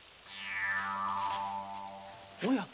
おや？